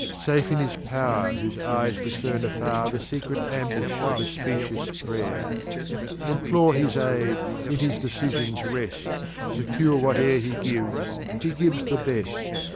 Safe in his Pow'r, whose Eyes discern afar The secret Ambush of a specious Pray'r. Implore his Aid, in his Decisions rest, Secure whate'er he gives, he gives the best.